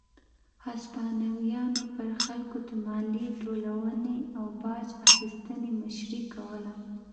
هسپانویانو پر خلکو د مالیې ټولونې او باج اخیستنې مشري کوله.